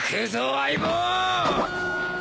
相棒。